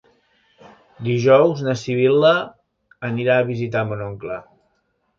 Dijous na Sibil·la anirà a visitar mon oncle.